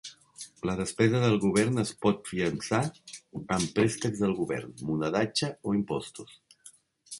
La despesa del govern es pot fiançar amb préstecs al govern, monedatge o impostos.